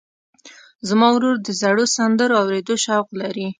زما ورور د زړو سندرو اورېدو شوق لري.